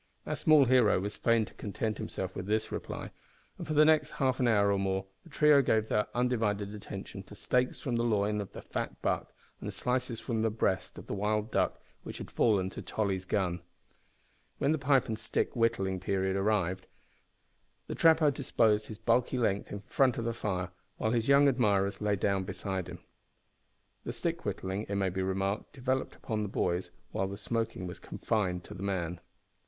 Our small hero was fain to content himself with this reply, and for the next half hour or more the trio gave their undivided attention to steaks from the loin of the fat buck and slices from the breast of the wild duck which had fallen to Tolly's gun. When the pipe and stick whittling period arrived, however, the trapper disposed his bulky length in front of the fire, while his young admirers lay down beside him. The stick whittling, it may be remarked, devolved upon the boys, while the smoking was confined to the man.